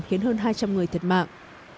khiến hơn hai trăm linh người thất mạng